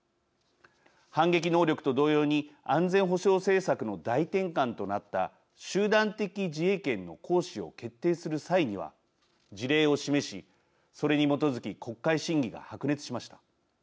反撃能力と同様に安全保障政策の大転換となった集団的自衛権の行使を決定する際には事例を示し、それに基づき国会審議が白熱しました。